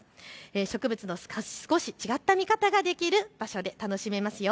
植物の少し違った見方ができる場所で楽しめますよ。